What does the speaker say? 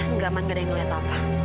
enggak man gak ada yang ngeliat apa